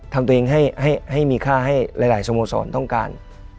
ทำตัวเองให้มีค่าให้หลายสโมสรต้องการ